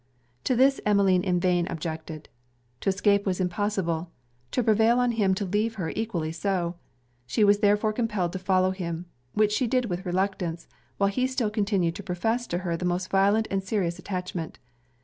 To this Emmeline in vain objected. To escape was impossible. To prevail on him to leave her equally so. She was therefore compelled to follow him. Which she did with reluctance; while he still continued to profess to her the most violent and serious attachment.